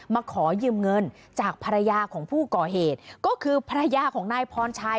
มาขอยืมเงินจากภรรยาของผู้ก่อเหตุก็คือภรรยาของนายพรชัย